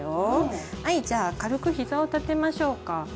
はいじゃあ軽くひざを立てましょうか。